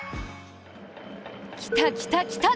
きたきたきた！